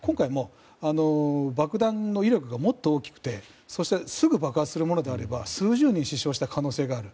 今回も爆弾の威力がもっと大きくてすぐ爆発するものであれば数十人死傷した可能性がある。